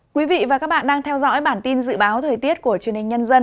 quý vị và các bạn đang theo dõi bản tin dự báo thời tiết của truyền hình nhân dân